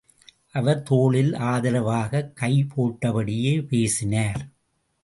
அவர் தோளில் ஆதரவாகக் கை போட்டபடியே பேசினார்.